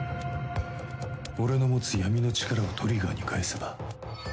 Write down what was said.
俺の持つ闇の力をトリガーに返せば。